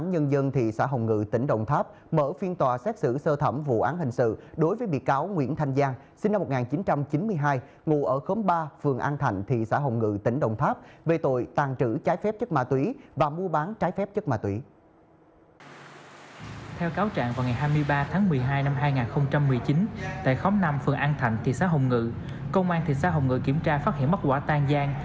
công an thành thị xã hồng ngự công an thị xã hồng ngự kiểm tra phát hiện mất quả tan giang